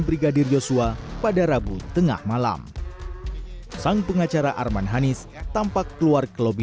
brigadir yosua pada rabu tengah malam sang pengacara arman hanis tampak keluar ke lobi